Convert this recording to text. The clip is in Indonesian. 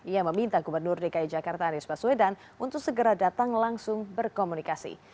ia meminta gubernur dki jakarta anies baswedan untuk segera datang langsung berkomunikasi